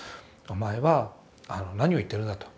お前は何を言ってるんだと。